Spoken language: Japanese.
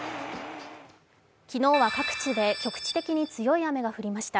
昨日は各地で局地的に強い雨が降りました。